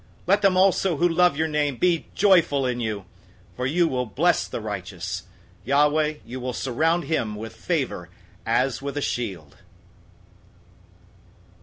Let them also who love your name be joyful in you. 005:012 For you will bless the righteous. Yahweh, you will surround him with favor as with a shield.